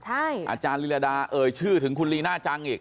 อาจารย์ลีลาดาเอ่ยชื่อถึงคุณลีน่าจังอีก